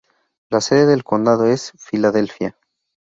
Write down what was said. La sede del condado es Filadelfia.